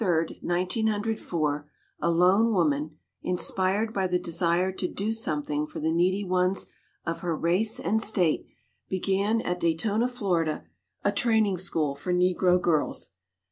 MARY McLEOD BETHUNE On October 3, 1904, a lone woman, in spired by the desire to do something for the needy ones of her race and state, began at Daytona, Florida, a training school for Xegro girls.